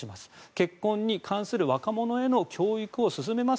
結婚に関する若者への教育を進めます